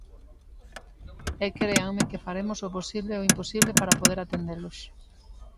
E créanme que faremos o posible e o imposible para poder atendelos.